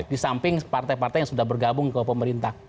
di samping partai partai yang sudah bergabung ke pemerintah